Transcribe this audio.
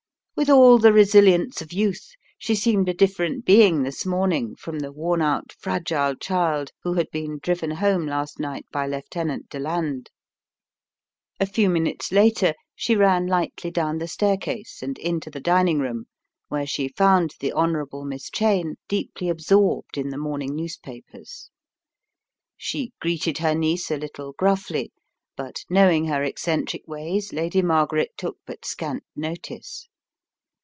With all the resilience of youth, she seemed a different being this morning from the worn out, fragile child who had been driven home last night by Lieutenant Deland. A few minutes later she ran lightly down the staircase and into the dining room where she found the Honourable Miss Cheyne deeply absorbed in the morning newspapers. * She greeted her niece a little gruffly, but knowing her eccentric ways, Lady Margaret took but scant notice.